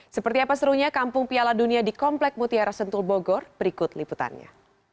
seperti apa serunya kampung piala dunia di komplek mutiara sentul bogor berikut liputannya